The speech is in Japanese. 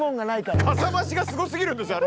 かさ増しがすごすぎるんですよ